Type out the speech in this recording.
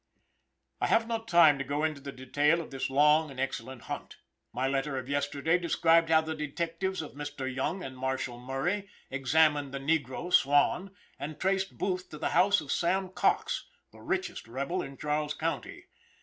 I have not time to go into the detail of this long and excellent hunt. My letter of yesterday described how the detectives of Mr. Young and Marshal Murray examined the negro Swan, and traced Booth to the house of Sam Coxe, the richest rebel in Charles county.